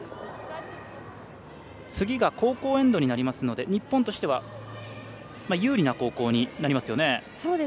次が後攻エンドになりますので日本としては有利な後攻になりますよね。